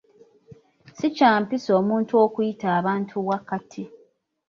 Si kya mpisa omuntu okuyita abantu wakati.